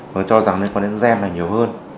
tôi cho rằng liên quan đến gen này nhiều hơn